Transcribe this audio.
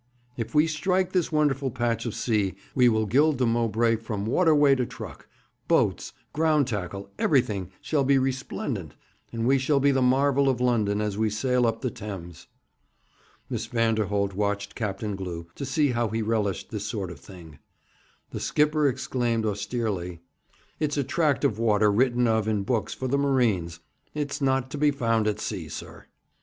If we strike this wonderful patch of sea, we will gild the Mowbray from waterway to truck; boats, ground tackle everything shall be resplendent, and we shall be the marvel of London as we sail up the Thames.' Miss Vanderholt watched Captain Glew, to see how he relished this sort of thing. The skipper exclaimed austerely: 'It's a tract of water written of in books for the marines. It's not to be found at sea, sir.'